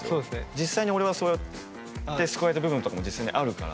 実際に俺は、そうやって救われた部分とかもあるから。